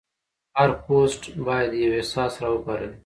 هر پوسټ باید یو احساس راوپاروي.